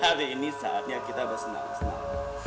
hari ini saatnya kita bersenang senang